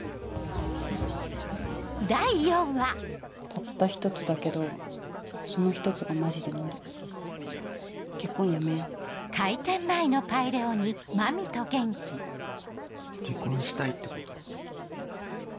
たった１つだけどその１つがマジで無理結婚やめよう離婚したいってこと？